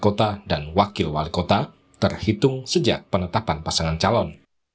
pasca ma mengubah syarat usia peserta pilkada menjadi terhitung sejak penetapan pasangan calon